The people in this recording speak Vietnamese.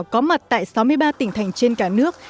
có mặt tại sáu mươi ba tỉnh thành trên cả nước